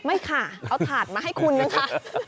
ไม่ค่ะเอาถาดมาให้คุณนะคะ